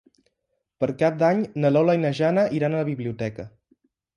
Per Cap d'Any na Lola i na Jana iran a la biblioteca.